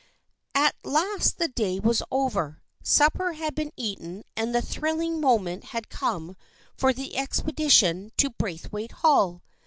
At last the day was over, supper had been eaten and the thrilling moment had come for the expe dition to Braithwaite Hall.